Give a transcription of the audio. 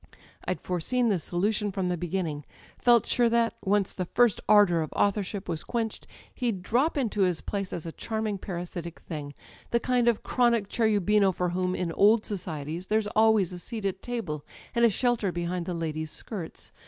I'd fore seen tins solution from the beginning â€" felt sure that, once the first ardour of authorship was quenched, he'd drop into his place as a charming parasitic thing, the kind of chronic Cherubino for whom, in old societies, there's always a seat at table, and a shelter behind the ladies' skirts.